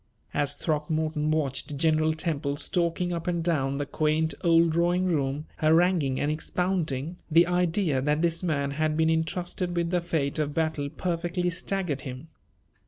As Throckmorton watched General Temple stalking up and down the quaint old drawing room, haranguing and expounding, the idea that this man had been intrusted with the fate of battle perfectly staggered him.